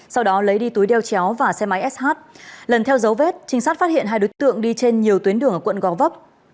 sau đó lấy đi túi đeo chéo và xe máy sh lần theo dấu vết trinh sát phát hiện hai đối tượng đi trên nhiều tuyến đường ở quận gò vấp